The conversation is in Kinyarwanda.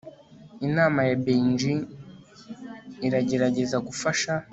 inama ya beijing iragerageza gufasha